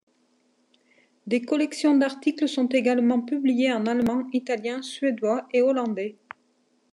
Des collections d'articles sont également publiées en allemand, italien, suédois et hollandais.